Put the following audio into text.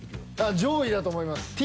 上位だと思います。